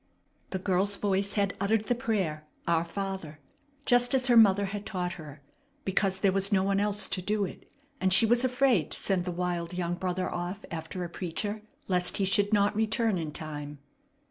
The girl's voice had uttered the prayer, "Our Father," just as her mother had taught her, because there was no one else to do it; and she was afraid to send the wild young brother off after a preacher, lest he should not return in time.